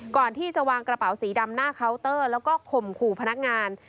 ก่อนที่จะวางกระเป๋าสีดำหน้าเคาน์เตอร์แล้วก็ข่มขู่พนักงาน